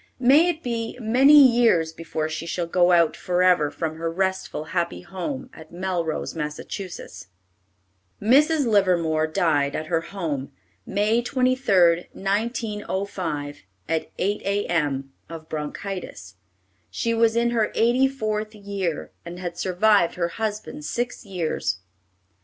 May it be many years before she shall go out forever from her restful, happy home, at Melrose, Mass. Mrs. Livermore died at her home, May 23, 1905, at 8 A.M., of bronchitis. She was in her eighty fourth year, and had survived her husband six years.